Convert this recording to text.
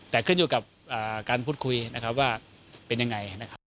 แต่ขึ้นอยู่กับการพูดคุยว่าเป็นยังไง